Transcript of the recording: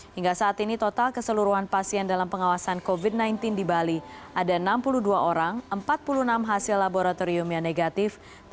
hingga saat ini total keseluruhan pasien dalam pengawasan covid sembilan belas di bali ada enam puluh dua orang empat puluh enam hasil laboratorium yang negatif